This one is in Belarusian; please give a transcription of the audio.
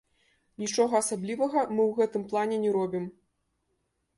Нічога асаблівага мы ў гэтым плане не робім.